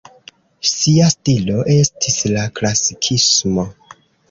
Sia stilo estis la klasikismo.